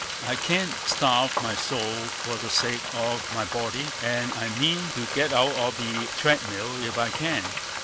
I can't starve my soul for the sake of my body, and I mean to get out of the treadmill if I can.